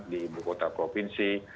di ibukota provinsi